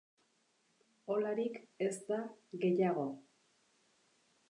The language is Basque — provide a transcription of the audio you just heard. Olarik ez da gehiago.